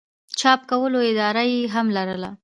چاپ کولو اراده ئې هم لرله